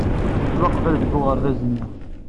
Nettwaqbel deg uɣerbaz-nni.